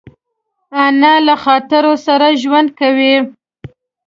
انا له خاطرو سره ژوند کوي